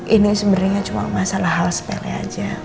ini sebenarnya cuma masalah hal sepele aja